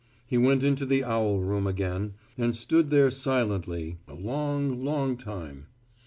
He went into the owl room again, and stood there silently a long, long time.